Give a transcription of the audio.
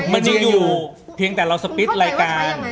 มันจะอยู่เพียงแต่เราสปิดรายการ